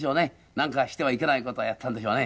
なんかしてはいけない事をやったんでしょうね。